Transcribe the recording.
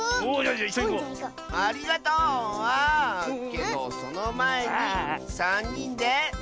けどそのまえにさんにんでせの。